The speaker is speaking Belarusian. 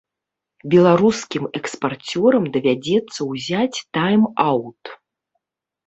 Беларускім экспарцёрам давядзецца ўзяць тайм-аўт.